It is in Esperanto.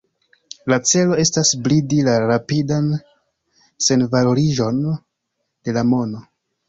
La celo estas bridi la rapidan senvaloriĝon de la mono.